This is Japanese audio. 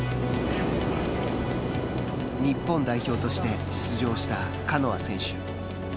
日本代表として出場したカノア選手。